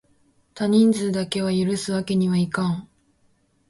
多人数だけは許すわけにはいかん！